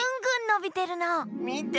みて！